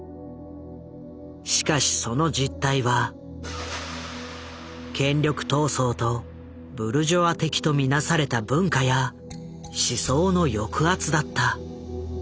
しかしその実態は権力闘争とブルジョア的と見なされた文化や思想の抑圧だった。